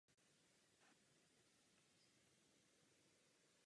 Evropská i korejská ekonomika dohodou významně získají.